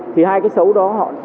thì hai cái xấu đó họ